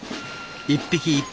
一匹一匹